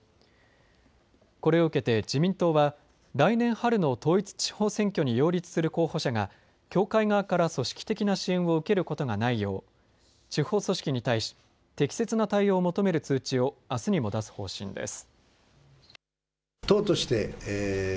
これを受けて自民党は来年春の統一地方選挙に擁立する候補者が教会側から組織的な支援を受けることがないよう地方組織に対し適切な対応を求める通知をあすにも出す方針です。